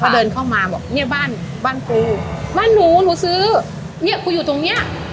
เดินเข้ามาบอกเนี่ยบ้านบ้านกูบ้านหนูหนูซื้อเนี้ยกูอยู่ตรงเนี้ย